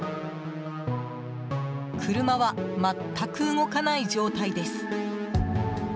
車は全く動かない状態です。